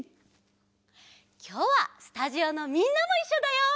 きょうはスタジオのみんなもいっしょだよ。